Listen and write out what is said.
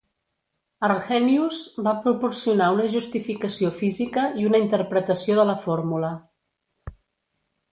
Arrhenius va proporcionar una justificació física i una interpretació de la fórmula.